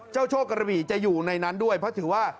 โชคกระบี่จะอยู่ในนั้นด้วยเพราะถือว่า